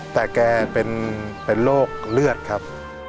แต่แกเป็นโรคเลือดครับ